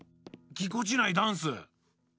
ぎこちないダンス！